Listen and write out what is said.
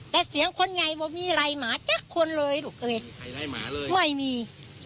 แต่เสียงคนใหญ่บอกมีอะไรหมาแกะคนเลยลูกเอยใครไล่หมาเลยไม่มี